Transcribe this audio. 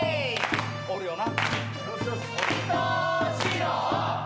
おるよな。